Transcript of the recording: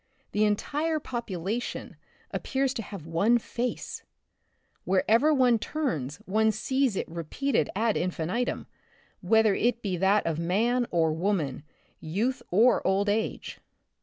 The entire population appears to have one face ; wherever one turns one sees it repeat ed ad infinitum^ whether it be that of man or woman, youth or old age.